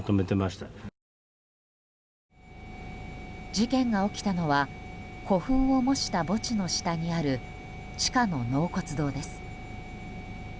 事件が起きたのは古墳を模した墓地の下にある地下の納骨堂です。